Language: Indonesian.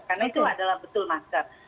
karena itu adalah betul masker